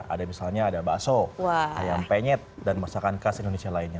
ada misalnya ada bakso ayam penyet dan masakan khas indonesia lainnya